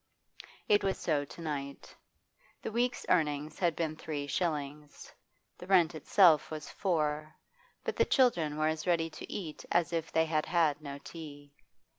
It was so to night. The week's earnings had been three shillings; the rent itself was four. But the children were as ready to eat as if they had had no tea.